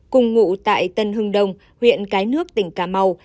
cùng ngụ tại tân hưng đông huyện cái nước tỉnh cà mau